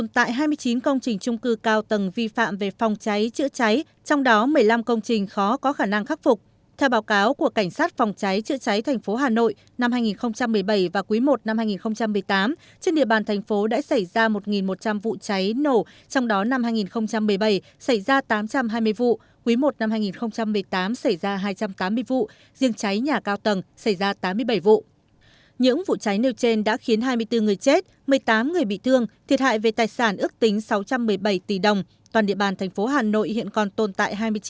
theo nhận định của cảnh sát phòng cháy chữa cháy thành phố hà nội tình hình cháy nổ trên địa bàn vẫn đang có những diễn biến phức tạp